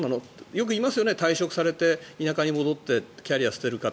よくいいますよね、退職されて田舎に戻ってキャリアを捨てる方。